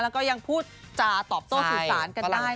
แล้วยังพูดจาตอบโตสุดสารกันได้นั่นเอง